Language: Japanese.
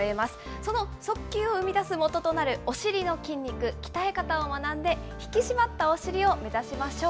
その速球を生み出すもととなるお尻の筋肉、鍛え方を学んで、引き締まったお尻を目指しましょう。